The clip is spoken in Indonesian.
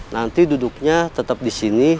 nanti duduknya tetep disini